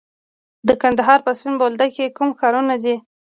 د کندهار په سپین بولدک کې کوم کانونه دي؟